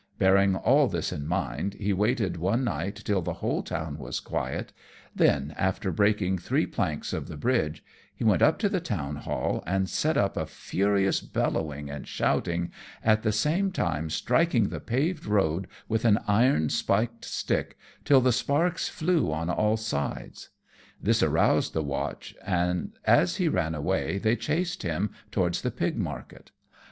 Bearing all this in mind, he waited one night till the whole town was quiet, then, after breaking three planks of the bridge, he went up to the town hall and set up a furious bellowing and shouting, at the same time striking the paved road with an iron spiked stick till the sparks flew on all sides. This roused the watch, and as he ran away, they chased him towards the pig market.